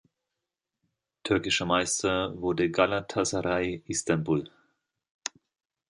Türkischer Meister wurde Galatasaray Istanbul.